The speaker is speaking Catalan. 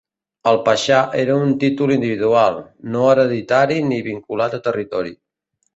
El paixà era un títol individual, no hereditari ni vinculat a territori.